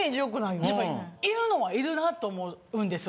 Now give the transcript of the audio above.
やっぱいるのはいるなと思うんですよ。